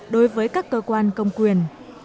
đối với các cơ quan công quyền